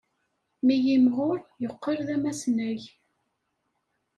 Mi yimɣur, yeqqel d amasnag.